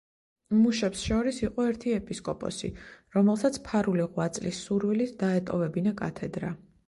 მუშებს შორის იყო ერთი ეპისკოპოსი, რომელსაც ფარული ღვაწლის სურვილით დაეტოვებინა კათედრა.